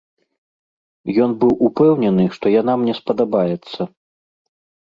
Ён быў упэўнены, што яна мне спадабаецца.